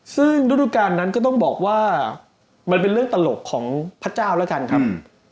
ซึ่งฤดูการนั้นก็ต้องบอกว่ามันเป็นเรื่องตลกของพระเจ้าแล้วกันครับ